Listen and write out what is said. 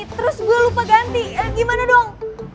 terus gue lupa ganti gimana dong